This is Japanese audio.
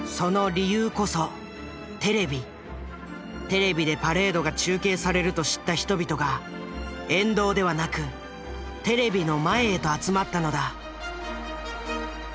テレビでパレードが中継されると知った人々が沿道ではなくテレビの前へと集まったのだ。